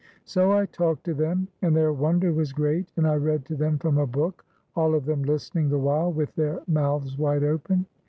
So I talked to them, and their wonder was great, and I read to them from a book, all of them Hstening the while with their mouths wide open.